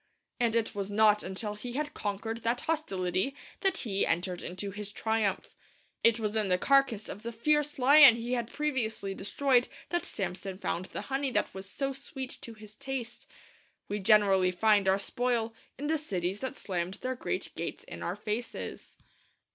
And it was not until he had conquered that hostility that he entered into his triumph. It was in the carcase of the fierce lion he had previously destroyed that Samson found the honey that was so sweet to his taste. We generally find our spoil in the cities that slammed their great gates in our faces.